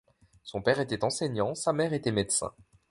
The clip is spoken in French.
Son père était enseignant, sa mère était médecin.